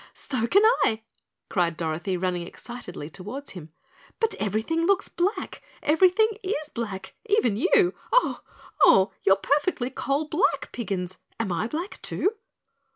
"So can I," cried Dorothy, running excitedly toward him. "But everything looks black everything IS black, even you. Oh, Oh! You're perfectly coal black, Piggins, am I black too?"